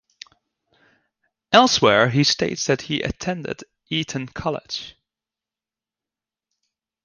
Elsewhere he states that he attended Eton College.